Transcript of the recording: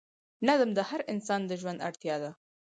نظم د هر انسان د ژوند اړتیا ده.